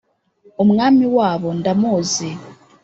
umwami wabo ndamuzi.